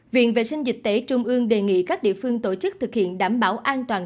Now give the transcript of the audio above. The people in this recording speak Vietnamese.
viện vệ sinh dịch tễ trung ương đề nghị các địa phương tổ chức thực hiện đảm bảo an toàn